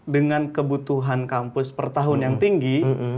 dengan kebutuhan kampus per tahun yang tinggi